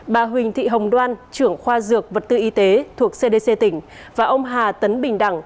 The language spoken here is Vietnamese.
bà huỳnh thị hồng đoan trưởng khoa dược vật tư y tế thuộc cdc tỉnh và ông hà tấn bình đẳng